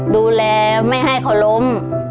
ดูแลไม่ให้เขาล้ม